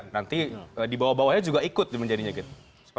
nanti di bawah bawahnya juga ikut menjadinya gitu